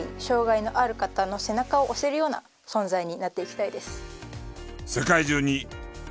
障害のある方の背中を押せるような存在になっていきたいです。